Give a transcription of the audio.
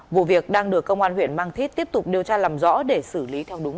vụ việc đang được công an huyện mang thít tiếp tục điều tra làm rõ để xử lý theo đúng